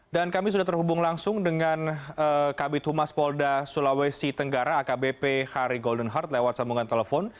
dan kami sudah terhubung langsung dengan kabit humas polda sulawesi tenggara akbp hari golden heart lewat sambungan telepon